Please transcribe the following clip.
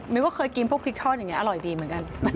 ว่าเคยกินพวกพริกทอดอย่างนี้อร่อยดีเหมือนกัน